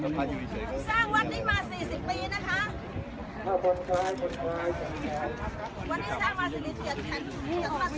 มีผู้ที่ได้รับบาดเจ็บและถูกนำตัวส่งโรงพยาบาลเป็นผู้หญิงวัยกลางคน